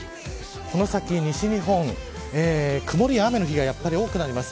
この先、西日本曇りや雨の日が多くなります。